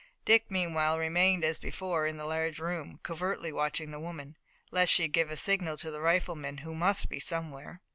Dick meanwhile remained as before in the large room, covertly watching the woman, lest she give a signal to the rifleman who must be somewhere.